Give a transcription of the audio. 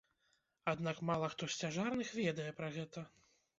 Аднак мала хто з цяжарных ведае пра гэта!